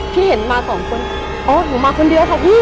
ที่เห็นมาสองคนอ๋อหนูมาคนเดียวค่ะพี่